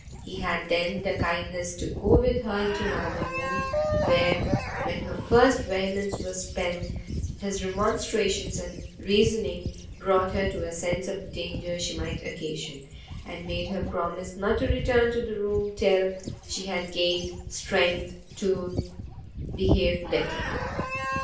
He had then the kindness to go with her into another room, where, when her first vehemence was spent, his remonstrances and reasoning brought her to a sense of the danger she might occasion, and made her promise not to return to the room till she had gained strength to behave better.